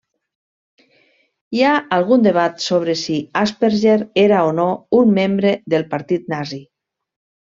Hi ha algun debat sobre si Asperger era o no un membre del partit nazi.